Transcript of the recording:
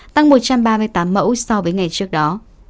tăng một trăm ba mươi tám mẫu so với ngày trước đó